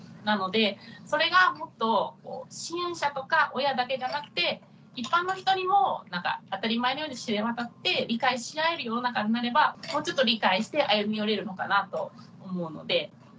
なのでそれがもっと支援者とか親だけじゃなくて一般の人にも当たり前のように知れ渡って理解し合える世の中になればもうちょっと理解して歩み寄れるのかなと思うので。